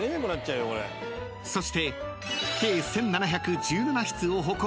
［そして］